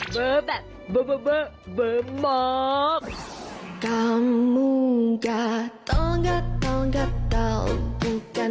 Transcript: เบอร์แบบเบอร์เบอร์มาก